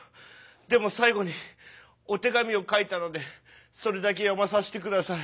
でも最後にお手紙を書いたのでそれだけ読まさせて下さい。